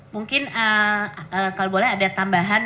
mungkin kalau boleh ada tambahan